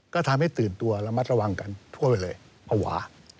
ก็ทำให้ตื่นตัวระมัดระวังกันทั่วไปเลยภาวะ